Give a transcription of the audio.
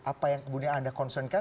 apa yang kemudian anda concernkan